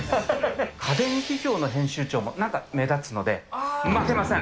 家電企業の編集長もなんか目立つので、負けません。